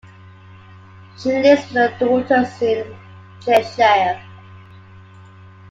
She lives with her daughters in Cheshire.